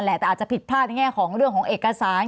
แต่อาจจะผิดพลาดในแง่ของเรื่องของเอกสาร